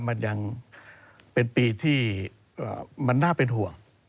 มันยังเป็นปีที่มันน่าเป็นห่วง